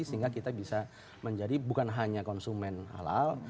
sehingga kita bisa menjadi bukan hanya konsumen halal